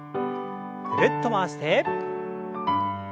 ぐるっと回して。